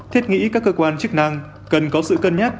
thiết nghĩ các cơ quan chức năng cần có sự cân nhắc